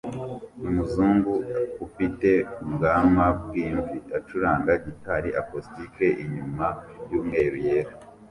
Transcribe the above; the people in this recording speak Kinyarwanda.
Umuzungu ufite ubwanwa bwimvi acuranga gitari acoustic inyuma yumweru yera